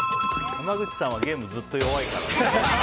濱口さんはゲームずっと弱いから。